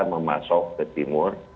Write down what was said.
memasok ke timur